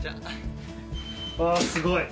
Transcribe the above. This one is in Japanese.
あすごい。